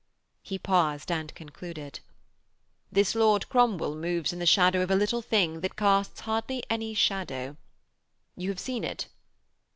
He paused, and concluded: 'This Lord Cromwell moves in the shadow of a little thing that casts hardly any shadow. You have seen it?'